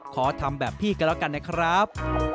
ขอทำแบบพี่ก็แล้วกันนะครับ